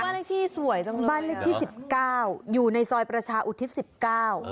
เลขที่สวยจังบ้านเลขที่สิบเก้าอยู่ในซอยประชาอุทิศสิบเก้า